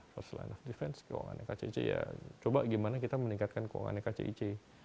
first line of defense keuangannya kcic ya coba gimana kita meningkatkan keuangannya kcic